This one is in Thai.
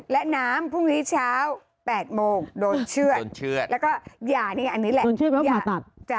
เขาเป็นนีดแต่มีนีด